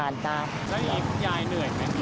แล้วทุกยายเหนื่อยไหม